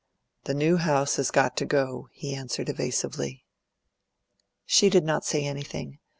"The new house has got to go," he answered evasively. She did not say anything.